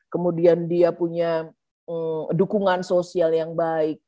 kemudian dia punya dukungan sosial yang baik